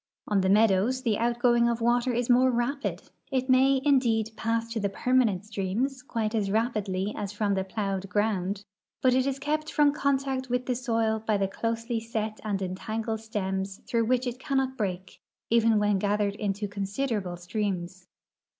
On the meadows the outgoing of the water is more rapid ; it may, indeed, pass to the i)ermanent streams quite as ra})idly as from the plowed ground, but it is kept from contact with the soil hy tlie closely set and entangled stems through which it cannot break, even when gathered into considerable streams.